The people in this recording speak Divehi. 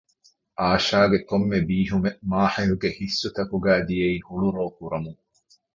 އާޝާގެ ކޮންމެ ބީހުމެއް މާޙިލްގެ ހިއްސުތަކުގައި ދިޔައީ ހުޅުރޯކުރަމުން